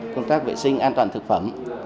công tác vệ sinh an toàn thực phẩm